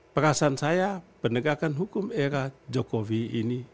perasaan saya penegakan hukum era jokowi ini